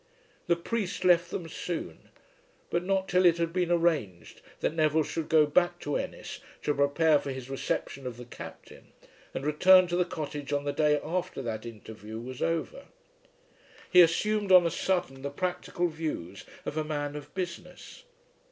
The priest left them soon, but not till it had been arranged that Neville should go back to Ennis to prepare for his reception of the Captain, and return to the cottage on the day after that interview was over. He assumed on a sudden the practical views of a man of business.